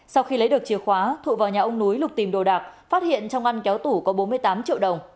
sau khi lấy được chìa khóa thụ vào nhà ông núi lục tìm đồ đạc phát hiện trong ngăn kéo tủ có bốn mươi tám triệu đồng